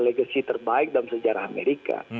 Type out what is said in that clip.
legacy terbaik dalam sejarah amerika